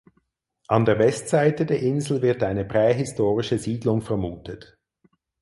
An der Westseite der Insel wird eine prähistorische Siedlung vermutet.